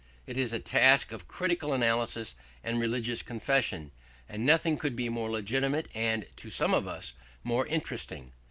It is a task of critical analysis and religious confession: and nothing could be more legitimate and, to some of us, more interesting.